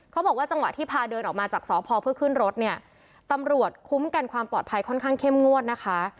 จังหวะที่พาเดินออกมาจากสพเพื่อขึ้นรถเนี่ยตำรวจคุ้มกันความปลอดภัยค่อนข้างเข้มงวดนะคะ